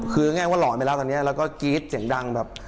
คือง่ายว่าหลอนไปแล้วตอนนี้แล้วก็กรี๊ดเสียงดังแบบ